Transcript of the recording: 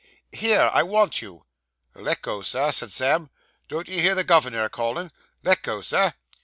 'Here. I want you.' 'Let go, Sir,' said Sam. 'Don't you hear the governor a callin'? Let go, sir.